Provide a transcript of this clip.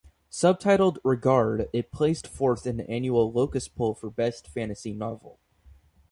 Subtitled "Regard", it placed fourth in the annual Locus Poll for best fantasy novel.